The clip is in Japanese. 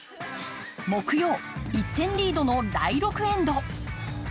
木曜、１点リードの第６エンド。